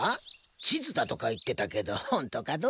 地図だとか言ってたけどほんとかどうか。